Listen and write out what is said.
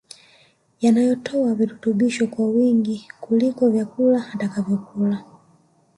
yanatoa virutubisho kwa wingi kuliko vyakula atakavyokula